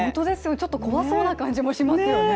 ちょっと怖そうな感じもしますよね。